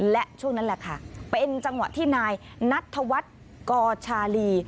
และช่วงนั้นแหละค่ะเป็นจังหวะที่นายนัทธวัฒน์กชาลี